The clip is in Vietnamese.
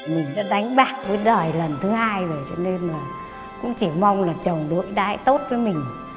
mình đã đánh bạc với đời lần thứ hai rồi cho nên là cũng chỉ mong là chồng đối đại tốt với mình